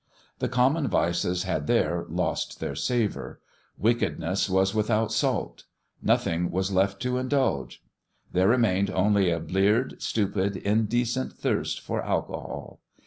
The common vices had there lost their savour. Wickedness was without salt. Nothing was left to indulge. There remained only a bleared, stupid, indecent thirst for alcohol.